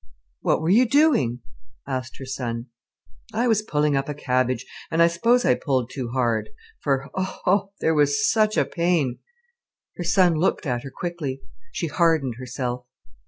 "What were you doing?" asked her son. "I was pulling up a cabbage, and I suppose I pulled too hard; for, oh—there was such a pain——" Her son looked at her quickly. She hardened herself.